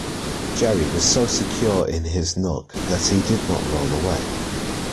Jerry was so secure in his nook that he did not roll away.